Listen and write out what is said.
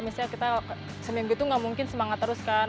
misalnya kita seminggu itu nggak mungkin semangat terus kan